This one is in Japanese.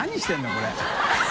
これ。